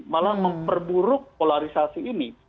malah memperburuk polarisasi ini